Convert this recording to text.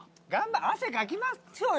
汗かきましょうよ